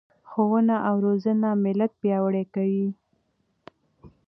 ښوونه او روزنه ملت پیاوړی کوي.